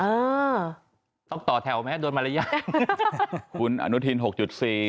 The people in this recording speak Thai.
เออต้องต่อแถวไหมโดนมารยาทคุณอนุทินหกจุดสี่